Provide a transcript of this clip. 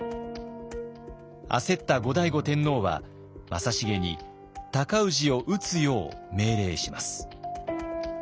焦った後醍醐天皇は正成に尊氏を討つよう命令します。